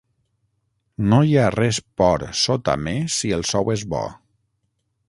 No hi ha res por sota me si el sou és bo.